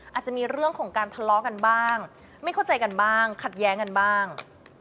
อาจจะมีเรื่องของการทะเลาะกันบ้างไม่เข้าใจกันบ้างขัดแย้งกันบ้าง